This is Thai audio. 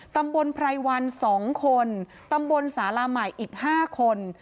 ตำบลไพรวัน๒คนตำบลสาหร่าใหม่อีก๕คน